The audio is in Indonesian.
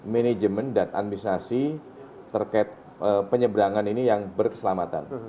manajemen dan administrasi terkait penyeberangan ini yang berkeselamatan